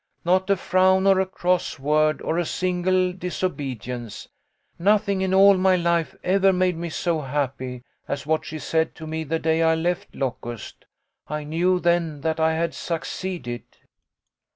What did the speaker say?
Not a frown or a cross word or a single dis obedience. Nothing in all my life ever made me so happy as what she said to me the day I left Locust. I knew then that I had succeeded."